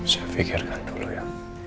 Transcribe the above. saya pikirkan dulu ya